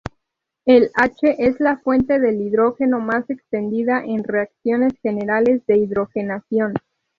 El H es la fuente de hidrógeno más extendida en reacciones generales de hidrogenación.